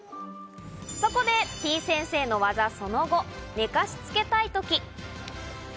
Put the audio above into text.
そこで、てぃ先生の技、その５、寝かしつけたいとき。